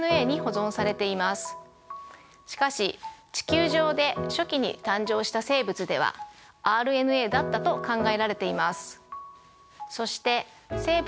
しかし地球上で初期に誕生した生物ではＲＮＡだったと考えられています。